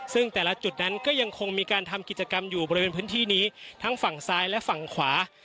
ซึ่งแต่ละจุดนั้นก็ยังคงมีการทำกิจกรรมอยู่บริเวณพื้นที่นี้ทั้งฝั่งซ้ายและฝั่งขวา